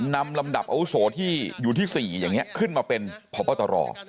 ลำดับอาวุโสที่อยู่ที่๔อย่างนี้ขึ้นมาเป็นพบตร